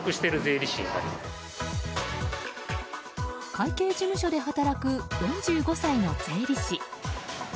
会計事務所で働く４５歳の税理士。